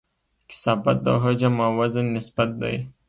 کثافت د حجم او وزن نسبت دی.